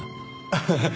ハハハ。